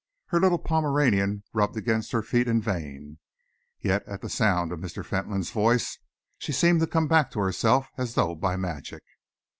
Her little Pomeranian rubbed against her feet in vain. Yet at the sound of Mr. Fentolin's voice, she seemed to come back to herself as though by magic.